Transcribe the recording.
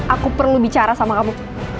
aku perlu bicara sama kamu